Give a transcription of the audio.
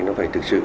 nó phải thực sự